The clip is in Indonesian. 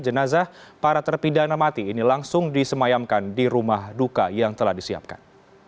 jenazah para terpidana mati ini langsung disemayamkan di rumah duka yang telah disiapkan